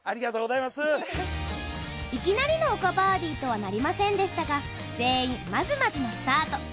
いきなりの岡バーディーとはなりませんでしたが全員まずまずのスタート。